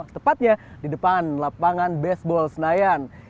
tepatnya di depan lapangan baseball senayan